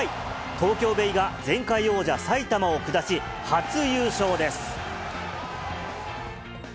東京ベイが前回王者、埼玉を下し、初優勝です。